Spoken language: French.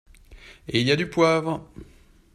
Et il y a du poivre !